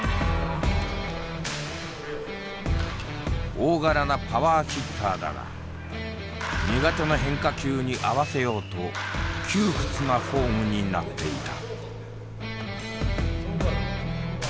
大柄なパワーヒッターだが苦手な変化球に合わせようと窮屈なフォームになっていた。